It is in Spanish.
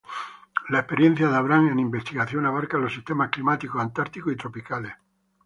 La experiencia de Abram en investigación abarca los sistemas climáticos antárticos y tropicales.